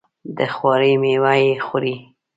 د خواري میوه یې خوري.